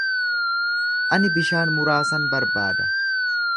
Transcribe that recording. Ani bishaan muraasan barbaada.